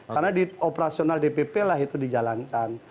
karena operasional dpp lah itu dijalankan